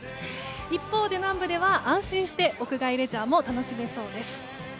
一方で、南部では安心して屋外レジャーも楽しめそうです。